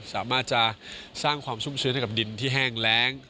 สามารถจะสร้างความชุ่มชื้นให้กับดินที่แห้งแรง